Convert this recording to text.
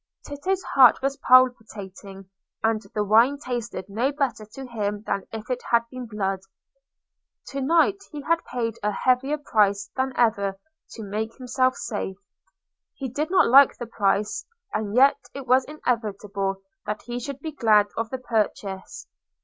Tito's heart was palpitating, and the wine tasted no better to him than if it had been blood. To night he had paid a heavier price than ever to make himself safe. He did not like the price, and yet it was inevitable that he should be glad of the purchase.